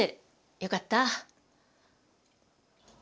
よかった。